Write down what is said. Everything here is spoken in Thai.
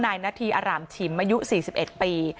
นาธีอารามฉิมอายุ๔๑ปี